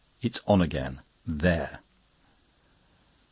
It is on again—there!"